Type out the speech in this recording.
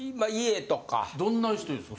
どんな人ですか？